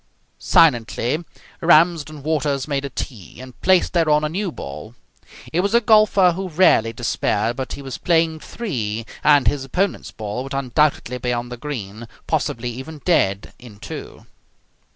Silently Ramsden Waters made a tee and placed thereon a new ball. He was a golfer who rarely despaired, but he was playing three, and his opponents' ball would undoubtedly be on the green, possibly even dead, in two.